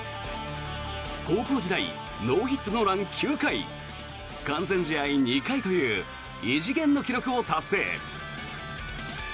高校時代ノーヒット・ノーラン９回完全試合２回という異次元の記録を達成。